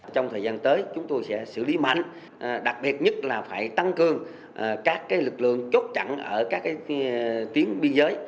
trong thời gian tới chúng tôi sẽ xử lý mạnh đặc biệt nhất là phải tăng cường các lực lượng chốt chặn ở các tuyến biên giới